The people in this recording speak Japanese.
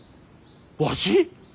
わし？